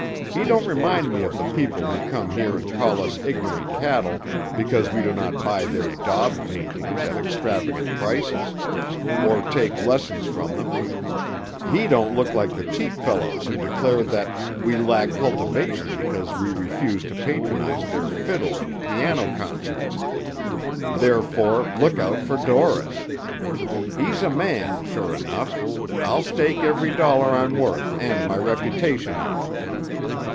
He don't remind me of the people who come here and call us ignorant cattle because we do not buy their daub paintings at extravagant prices, or take lessons from them; he don't look like the cheap fellows who declare that we lack cultivation because we refuse to patronize their fiddle and pianow concerts, therefore look out for Dorris. He's a man, sure enough; I'll stake every dollar I'm worth and my reputation on it."